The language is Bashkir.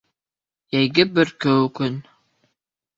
Йәйге бөркөү көн.